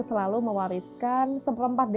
sehari tidak harus makan